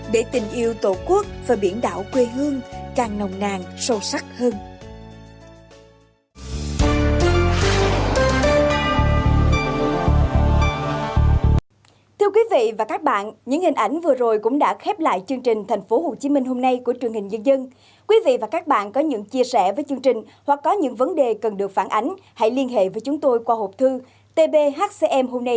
để tình yêu tổ quốc và biển đảo quê hương càng nồng nàng sâu sắc hơn